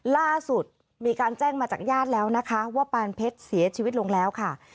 ล่าสุดมีการแจ้งมาจากญาติแล้วนะคะว่าปานเพชรเสียชีวิตลงแล้วค่ะ